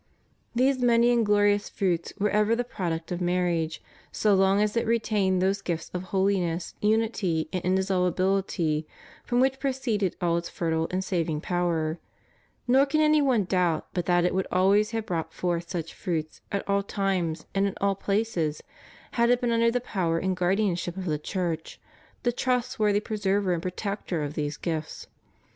These many and glorious fruits were ever the product of marriage, so long as it retained those gifts of holiness, unity, and indissolubility from which proceeded all its fertile and saving power; nor can any one doubt but that it would always have brought forth such fruits, at all times and in all places, had it been under the power and guardianship of the Church, the trustworthy pre server and protector of these gifts.